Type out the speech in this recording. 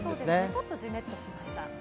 ちょっとじめっとしました。